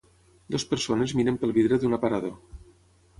Dues persones miren pel vidre d'un aparador.